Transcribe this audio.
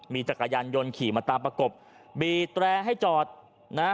มีจักรยานยนต์ขี่มาตามประกบบีดแตรให้จอดนะ